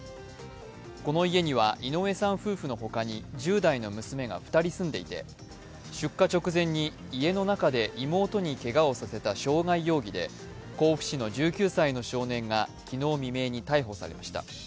この家には井上さん夫婦のほかに１０代の娘が２人住んでいて、出火直前に家の中で妹にけがをさせた傷害容疑で、甲府市の１９歳の少年が昨日未明に逮捕されました。